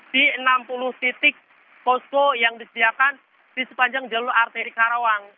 di enam puluh titik posko yang disediakan di sepanjang jalur arteri karawang